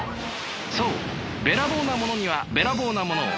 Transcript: そうべらぼうなものにはべらぼうなものを。